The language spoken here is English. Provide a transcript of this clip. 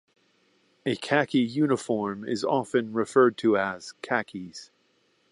A khaki uniform is often referred to as khakis.